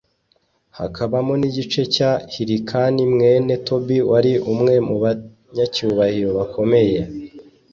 hakabamo n'igice cya hirikanimwene tobi wari umwe mu banyacyubahiro bakomeye